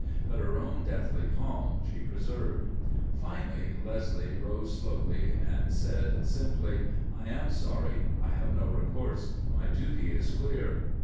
But her own deathly calm she preserved. Finally Leslie arose slowly and said simply: "I am sorry. I have no recourse. My duty is clear."